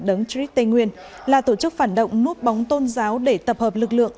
đấng trích tây nguyên là tổ chức phản động núp bóng tôn giáo để tập hợp lực lượng